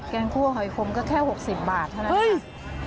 แกงคั่วหอยคมก็แค่๖๐บาทเท่าไรครับ